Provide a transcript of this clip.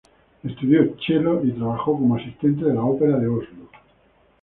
Estudió chelo y trabajó como asistente de la Ópera de Oslo.